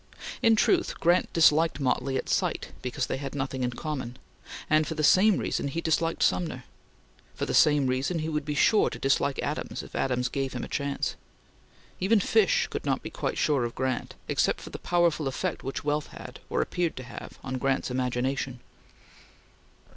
In truth, Grant disliked Motley at sight, because they had nothing in common; and for the same reason he disliked Sumner. For the same reason he would be sure to dislike Adams if Adams gave him a chance. Even Fish could not be quite sure of Grant, except for the powerful effect which wealth had, or appeared to have, on Grant's imagination.